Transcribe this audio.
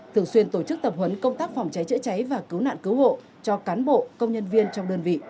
thường xuyên tổ chức tập huấn công tác phòng cháy chữa cháy và cứu nạn cứu hộ cho cán bộ công nhân viên trong đơn vị